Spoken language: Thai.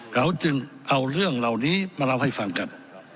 เราจึงเอาเรื่องเหล่านี้มาเล่าให้ฟังกัน